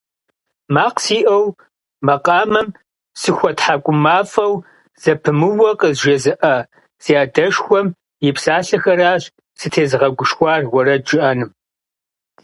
Макъ сиӀэу, макъамэм сыхуэтхьэкӀумафӀэу зэпымыууэ къызжезыӀэ си адэшхуэм и псалъэхэращ сытезыгъэгушхуар уэрэд жыӀэным.